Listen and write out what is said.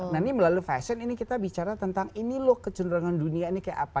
nah ini melalui fashion ini kita bicara tentang ini loh kecenderungan dunia ini kayak apa